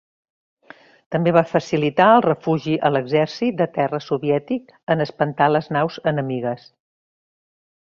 També va facilitar el refugi a l'exèrcit de terra soviètic en espantar les naus enemigues.